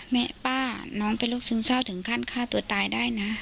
แม่ป้าน้องเป็นโรคซึมเศร้าถึงขั้นฆ่าตัวตายได้นะ